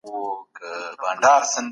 پوه سړی به د خرافاتو مخه ونيسي.